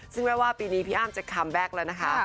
ซึ่งแม้ว่าปีนี้พี่อ้ำจะคัมแบ็คแล้วนะคะ